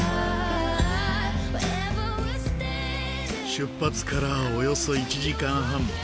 出発からおよそ１時間半。